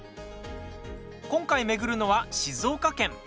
今回巡るのは静岡県。